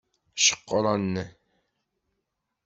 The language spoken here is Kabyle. Ceqqren.